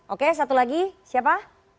oke satu lagi siapa